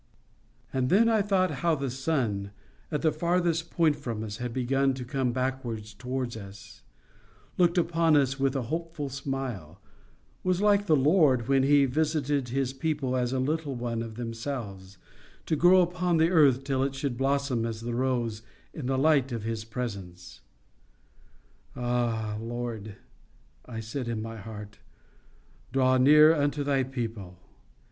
And then I thought how the sun, at the farthest point from us, had begun to come back towards us; looked upon us with a hopeful smile; was like the Lord when He visited His people as a little one of themselves, to grow upon the earth till it should blossom as the rose in the light of His presence. "Ah! Lord," I said, in my heart, "draw near unto Thy people.